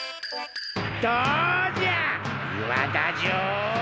どうじゃ岩だぞ！